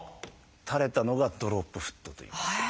垂れたのが「ドロップフット」という。